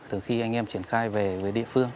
từ khi anh em triển khai về địa phương